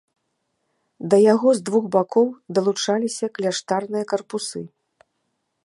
Да яго з двух бакоў далучаліся кляштарныя карпусы.